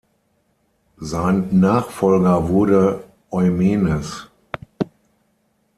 Sein Nachfolger wurde Eumenes.